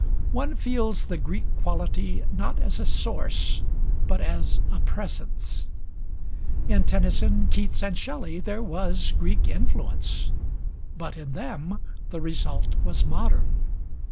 One feels the Greek quality not as a source but as a presence. In Tennyson, Keats, and Shelley, there was Greek influence, but in them the result was modern.